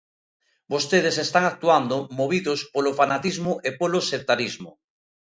Vostedes están actuando movidos polo fanatismo e polo sectarismo.